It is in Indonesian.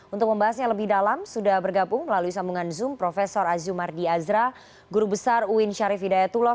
untuk membahasnya lebih dalam sudah bergabung melalui sambungan zoom prof azumardi azra guru besar uin syarif hidayatullah